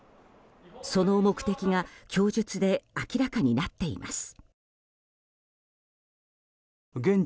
その目的が供述で明らかになっています。